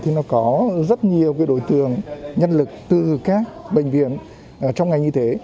thì nó có rất nhiều đối tượng nhân lực từ các bệnh viện trong ngành y tế